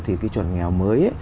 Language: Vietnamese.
thì chuẩn nghèo mới